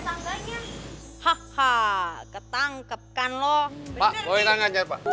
hahaha ketangkepkan loh pak